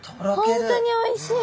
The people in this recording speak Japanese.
本当においしい。